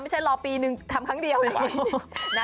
ไม่ใช่รอปีหนึ่งทำครั้งเดียวเลย